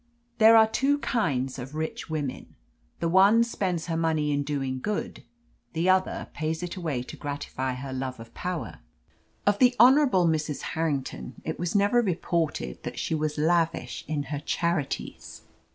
There are two kinds of rich women. The one spends her money in doing good, the other pays it away to gratify her love of power. Of the Honourable Mrs. Harrington it was never reported that she was lavish in her charities.